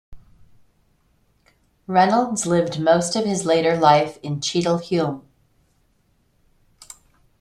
Reynolds lived most of his later life in Cheadle Hulme.